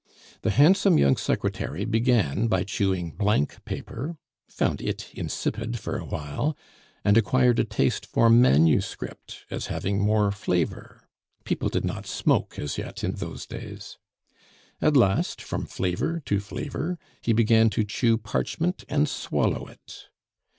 The handsome young secretary began by chewing blank paper, found it insipid for a while, and acquired a taste for manuscript as having more flavor. People did not smoke as yet in those days. At last, from flavor to flavor, he began to chew parchment and swallow it.